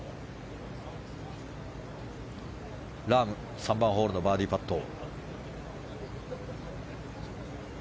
ラーム、３番ホールのバーディーパット。